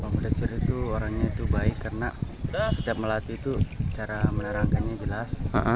fundation itu orangnya itu baik karena setiap melatih itu cara menerangkannya jelas